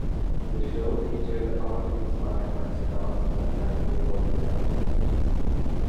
The show featured art inspired by stars that died before their time.